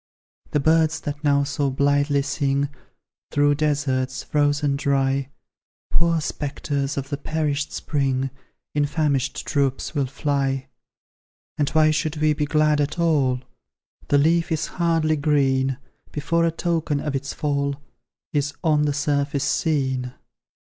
"The birds that now so blithely sing, Through deserts, frozen dry, Poor spectres of the perished spring, In famished troops will fly. "And why should we be glad at all? The leaf is hardly green, Before a token of its fall Is on the surface seen!"